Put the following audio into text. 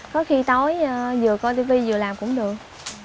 có khi tối vừa coi tv vừa làm cũng được